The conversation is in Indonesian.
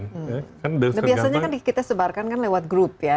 nah biasanya kan kita sebarkan kan lewat grup ya